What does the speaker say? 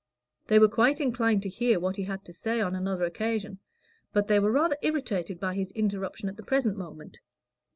They were quite inclined to hear what he had got to say on another occasion, but they were rather irritated by his interruption at the present moment.